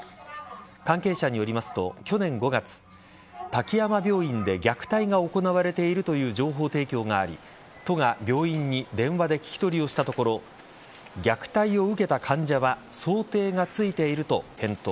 関係者によりますと、去年５月滝山病院で虐待が行われているという情報提供があり都が、病院に電話で聞き取りをしたところ虐待を受けた患者は想定がついていると返答。